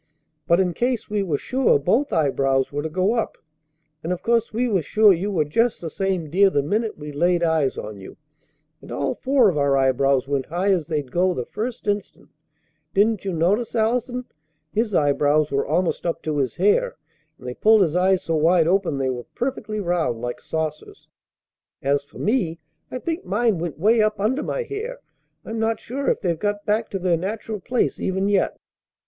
But in case we were sure both eyebrows were to go up. And of course we were sure you were just the same dear the minute we laid eyes on you, and all four of our eyebrows went high as they'd go the first instant. Didn't you notice Allison? His eyebrows were almost up to his hair, and they pulled his eyes so wide open they were perfectly round like saucers. As for me I think mine went way up under my hair. I'm not sure if they've got back to their natural place even yet!"